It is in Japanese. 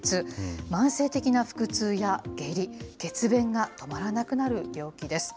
慢性的な腹痛や下痢、血便が止まらなくなる病気です。